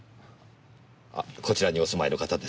こちらにお住まいの方ですね？